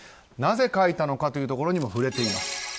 なぜ書いたのかというところにも触れています。